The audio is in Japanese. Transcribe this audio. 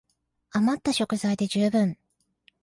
あまった食材で充分